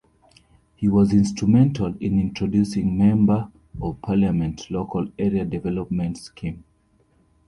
He was instrumental in introducing Member of Parliament Local Area Development Scheme.